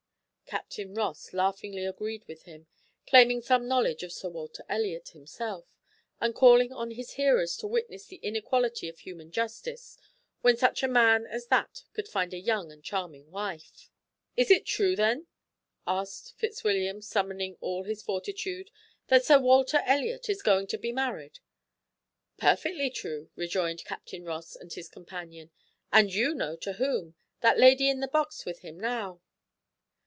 Captain Ross laughingly agreed with him, claiming some knowledge of Sir Walter Elliot himself, and calling on his hearers to witness the inequality of human justice, when such a man as that could find a young and charming wife. "Is it true then," asked Fitzwilliam, summoning all his fortitude, "that Sir Walter Elliot is going to be married?" "Perfectly true," rejoined Captain Ross and his companion, "and you know to whom that lady in the box with him now."